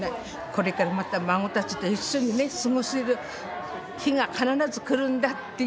これからまた孫たちと一緒にね過ごせる日が必ず来るんだっていうことをね感じましたね